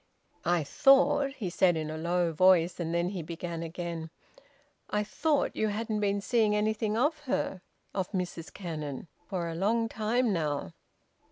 "I thought," he said in a low voice, and then he began again, "I thought you hadn't been seeing anything of her, of Mrs Cannon, for a long time now."